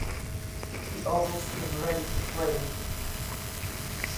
He always came ready to play.